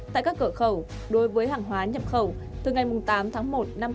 tại các cửa khẩu đối với hàng hóa nhập khẩu từ ngày tám tháng một năm hai nghìn hai mươi